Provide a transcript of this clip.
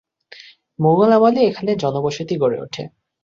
মোগল আমলে এখানে জনবসতি গড়ে ওঠে।